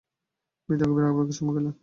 বৃদ্ধা গভীর আবেগে চুমু খেলেন।